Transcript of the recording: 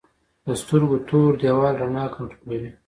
د سترګو تور دیوال رڼا کنټرولوي